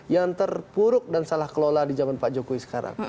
yang terpuruk dan salah kelola di zaman pak jokowi sekarang